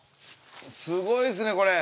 すごいですねこれ！